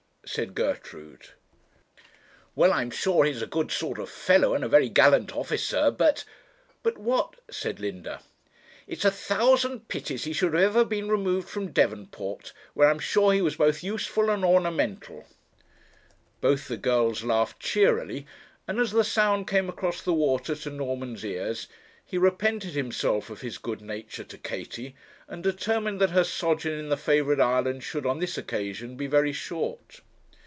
said Gertrude. 'Well, I am sure he's a good sort of fellow, and a very, gallant officer, but ' 'But what?' said Linda. 'It's a thousand pities he should have ever been removed from Devonport, where I am sure he was both useful and ornamental.' Both the girls laughed cheerily; and as the sound came across the water to Norman's ears, he repented himself of his good nature to Katie, and determined that her sojourn in the favourite island should, on this occasion, be very short.